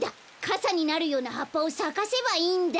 かさになるようなはっぱをさかせばいいんだ！